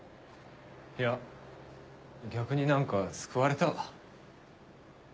いや逆に何か救われたわ。